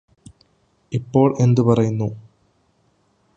ഇപ്പോൾ എന്ത് പറയുന്നു